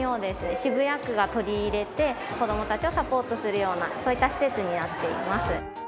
渋谷区が取り入れて子どもたちをサポートするようなそういった施設になっています。